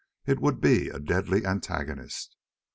It would be a deadly antagonist.